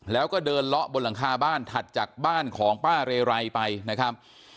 แล้วก็เดินเลาะบนหลังคาบ้านถัดจากบ้านของป้าเรไรไปนะครับ